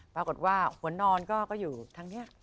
ปรากฏว่าหัวนอนก็อยู่ทางนี้